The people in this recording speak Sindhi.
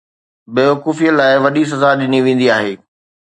بيوقوفيءَ لاءِ وڏي سزا ڏني ويندي آهي.